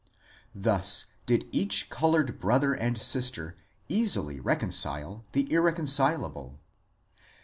Thus did each coloured brother and sister easily recon cile the irreconcilable.